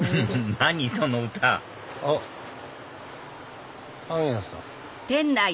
その歌あっパン屋さん。